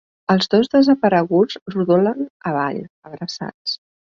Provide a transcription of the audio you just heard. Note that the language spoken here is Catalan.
Els dos desapareguts rodolen avall, abraçats.